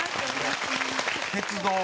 鉄道。